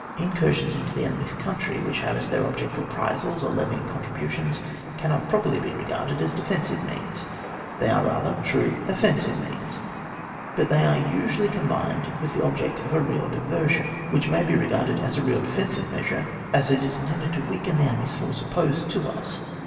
Incursions into the enemy's country which have as their object reprisals or levying contributions, cannot properly be regarded as defensive means, they are rather true offensive means; but they are usually combined with the object of a real diversion, which may be regarded as a real defensive measure, as it is intended to weaken the enemy's force opposed to us.